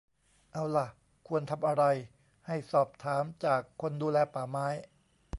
เอาล่ะ ควรทำอะไร ให้สอบถามจากคนดูแลป่าไม้